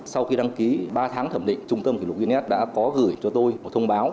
sau khi đăng ký ba tháng thẩm định trung tâm kỷ lục guinns đã có gửi cho tôi một thông báo